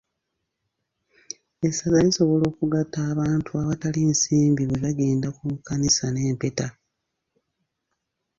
Essaza lisobola okugatta abantu awatali nsimbi bwe bagenda ku kkanisa n'empeta.